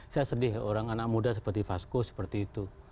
saya sedih orang anak muda seperti vasco seperti itu